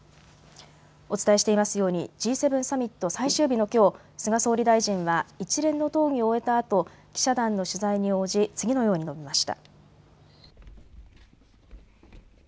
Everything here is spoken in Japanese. お伝えしていますようにＧ７サミット最終日のきょう菅総理大臣は一連の討議を終えたあと記者団の取材に応じ次のように述べました。